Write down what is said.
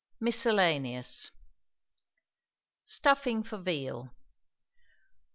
MISCELLANEOUS. STUFFING FOR VEAL.